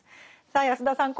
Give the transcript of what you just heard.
さあ安田さん